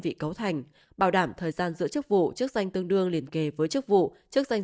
vị cấu thành bảo đảm thời gian giữ chức vụ chức danh tương đương liền kề với chức vụ chức danh